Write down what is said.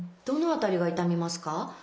どの辺りが痛みますか？